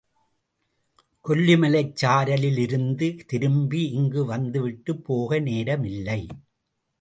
கொல்லிமலைச் சாரலிலிருந்து திரும்பி இங்கு வந்துவிட்டுப் போக நேரமில்லை.